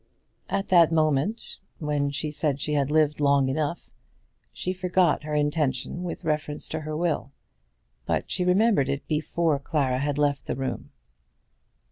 At that moment, when she said she had lived long enough, she forgot her intention with reference to her will. But she remembered it before Clara had left the room.